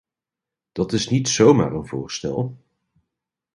Dat is niet zomaar een voorstel.